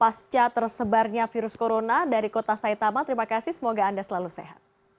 pasca tersebarnya virus corona dari kota saitama terima kasih semoga anda selalu sehat